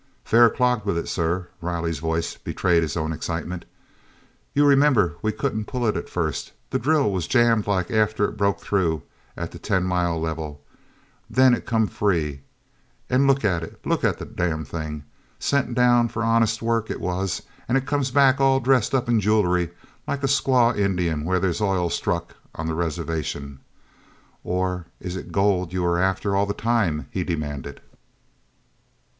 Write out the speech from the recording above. "Fair clogged wid it, sir," Riley's voice betrayed his own excitement. "You remimber we couldn't pull it at first—the drill was jammed like after it bruk through at the ten mile livil. Then it come free—and luk at it! Luk at the damn thing! Sent down for honest work, it was, and it comes back all dressed up in jewelry like a squaw Indian whin there's oil struck on the reservation! Or is it gold ye were after all the time?" he demanded.